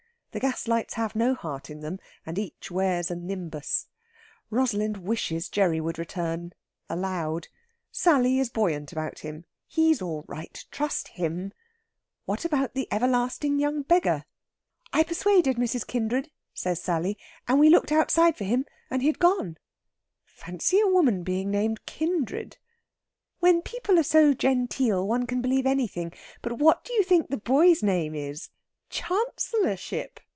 The gas lights have no heart in them, and each wears a nimbus. Rosalind wishes Gerry would return, aloud. Sally is buoyant about him; he's all right, trust him! What about the everlasting young beggar? "I persuaded Mrs. Kindred," says Sally. "And we looked outside for him, and he'd gone." "Fancy a woman being named Kindred!" "When people are so genteel one can believe anything! But what do you think the boy's name is?... Chancellorship!